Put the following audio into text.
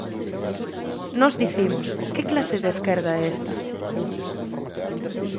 Nós dicimos, que clase de esquerda é esta?